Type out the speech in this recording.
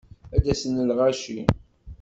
Ad d-asen lɣaci.